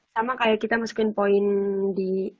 sama kayak kita masukin poin di